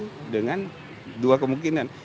oleh kpu dengan dua kemungkinan